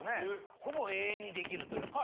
ほぼ永遠に出来るというか。